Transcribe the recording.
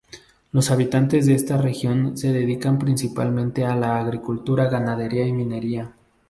Los habitantes de esta región se dedican principalmente a la agricultura, ganadería y minería.